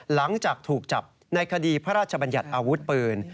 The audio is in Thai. หลังจากถูกจับในคดีพระราชบัญญัติอาวุธปืน